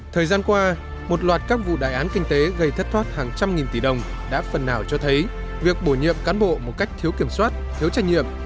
thời gian qua một loạt các vụ đại án kinh tế gây thất thoát hàng trăm nghìn tỷ đồng đã phần nào cho thấy việc bổ nhiệm cán bộ một cách thiếu kiểm soát thiếu trách nhiệm